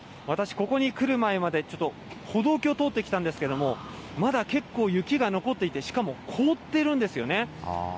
私、ここに来る前までちょっと歩道橋通ってきたんですけれども、まだ結構雪が残っていて、しかも凍ってるんですよね。